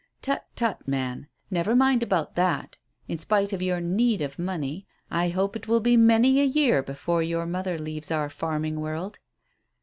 "Tut tut, man. Never mind about that. In spite of your need of money, I hope it will be many a year before your mother leaves our farming world."